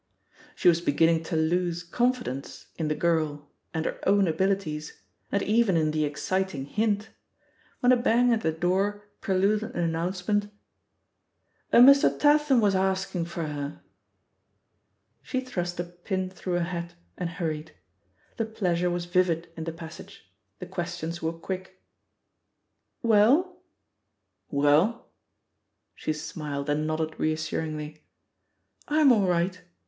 She was beginning to lose confidence in the girl and her own abilities, and even in the exciting hint, when a bang at the «10 THE POSITION OP PEGGY HARPER door preluded an announcement: ''A Mr. Tat ham was harskin for her/* She thrust a pin through a hat, and hurried. The pleasure was vivid in the passage, the ques tions were quick. "WeUr* "WeU?" She smiled and nodded reassuringly. ''I'm all right.